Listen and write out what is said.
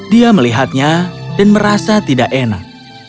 dia melihatnya dan merasa tidak enak